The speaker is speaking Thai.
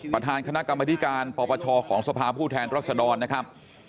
ประธานคณะกรรมธิการปปชของสภาผู้แทนรัศดรนะครับ